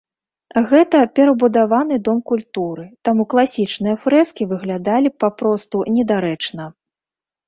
Гэта перабудаваны дом культуры, таму класічныя фрэскі выглядалі б папросту недарэчна.